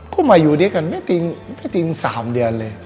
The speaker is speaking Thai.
ก็มาอยู่ด้วยกันไม่ติ๊ง๓เดือนเลย